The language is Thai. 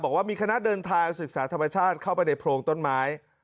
บอกว่ามีคณะเดินทางศึกษาธรรมชาติเข้าไปในโพรงต้นไม้